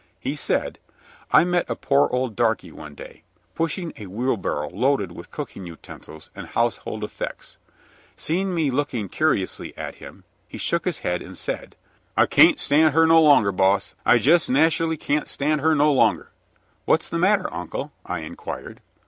He said: "I met a poor old darkey one day, pushing a wheelbarrow loaded with cooking utensils and household effects. Seeing me looking curiously at him, he shook his head and said: "'I cain't stand her no longer, boss, I jes' nash'ully cain't stand her no longer.' "'What's the matter, uncle?' I inquired.